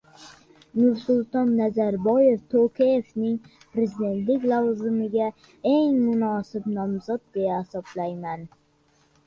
Nursulton Nazarboyev: «Tokayevni prezidentlik lavozimiga eng munosib nomzod deya hisoblayman»